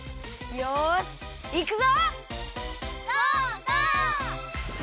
よしいくぞ！